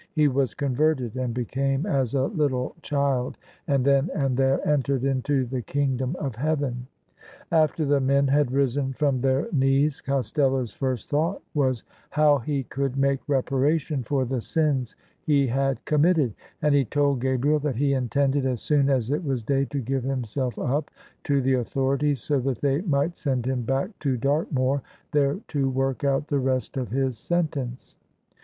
He was converted and became as a little child, and then and there entered into the Kingdom of Heaven. After the men had risen from their knees, Costello's first thought was how he could make reparation for the sins he had committed: and he told Gabriel that he intended as soon as it was day to give himself up to the authorities so that they might send him back to Dartmoor, there to work out the rest of his sentence.